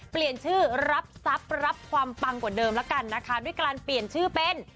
เปลี่ยนชื่อรับทรัพย์รับความปังกว่าเดิมแล้วกันนะคะด้วยการเปลี่ยนชื่อเป็น